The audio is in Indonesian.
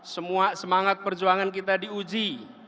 semua semangat perjuangan kita diuji